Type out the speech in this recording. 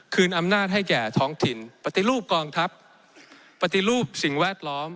อำนาจให้แก่ท้องถิ่นปฏิรูปกองทัพปฏิรูปสิ่งแวดล้อม